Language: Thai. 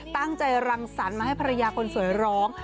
ตั้งใจรังสรรค์มาให้ภรรยาคนสวยร้อง